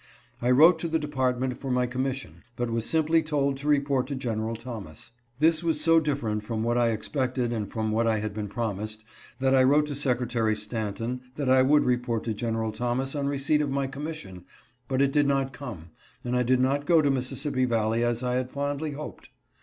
I wrote to the de partment for my commission, but was simply told to report to General Thomas. This was so different from what I expected and from what I had been promised that I wrote to Secretary Stanton that I would report to General Thomas on receipt of my commission, but it did not come, and I did not go to the Mississippi valley as I had fondly hoped.